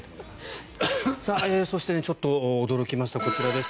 そしてちょっと驚きましたこちらです。